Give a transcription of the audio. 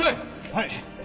はい！